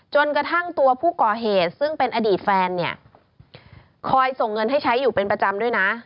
จนกระทั่งตัวผู้ก่อเหตุซึ่งเป็นอดีตแฟนเนี่ยคอยส่งเงินให้ใช้อยู่เป็นประจำด้วยนะ